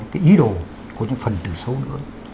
cái ý đồ của những phần từ xấu nữa